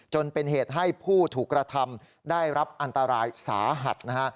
จนเป็นเหตุให้ผู้ถูกกระทำได้รับอันตรายสาหัสนะฮะ